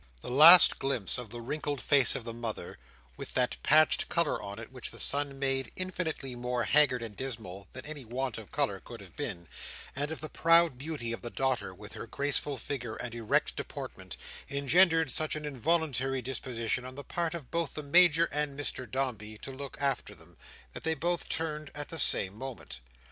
The last glimpse of the wrinkled face of the mother, with that patched colour on it which the sun made infinitely more haggard and dismal than any want of colour could have been, and of the proud beauty of the daughter with her graceful figure and erect deportment, engendered such an involuntary disposition on the part of both the Major and Mr Dombey to look after them, that they both turned at the same moment.